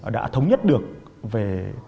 đã thống nhất được về